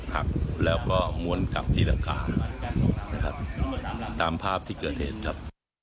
หักแล้วก็ม้วนกลับที่หลังคานะครับตามภาพที่เกิดเหตุครับ